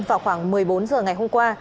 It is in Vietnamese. vào khoảng một mươi bốn h ngày hôm qua